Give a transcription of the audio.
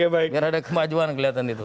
biar ada kemajuan kelihatan itu